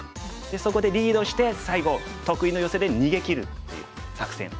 そこでリードして最後得意のヨセで逃げきるっていう作戦。